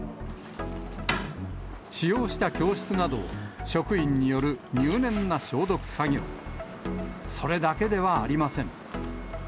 使用した教室などを職員による入念な消毒作業、それだけではありません。